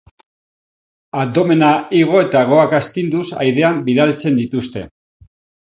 Abdomena igo eta hegoak astinduz airean bidaltzen dituzte.